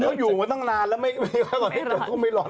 เขาอยู่มาตั้งนานแล้วไม่ร้อนกว่า